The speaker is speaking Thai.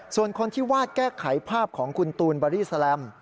ส่วนคนที่วาดแก้ไขภาพของคุณตูนบอดี้แลม